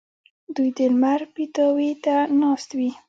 دوی د لمر پیتاوي ته ناست وي.